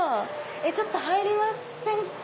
ちょっと入りませんか？